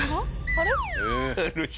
あれ？